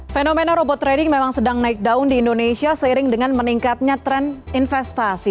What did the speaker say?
fenomena robot trading memang sedang naik daun di indonesia seiring dengan meningkatnya tren investasi